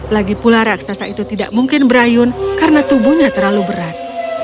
lagi pula raksasa itu tidak mungkin berayun karena tubuhnya terlalu berat